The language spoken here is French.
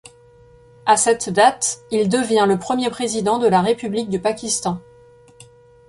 À cette date, il devient le premier Président de la République du Pakistan.